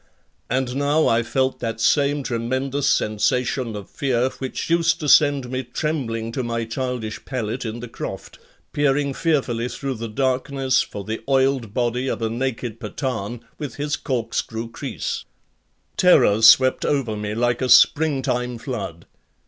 And now I felt that same tremendous sensation of fear which used to send me trembling to my childish pallet in the croft, peering fearfully through the darkness for the oiled body of a naked Pathan with his corkscrew kris. Terror swept over me like a springtime flood.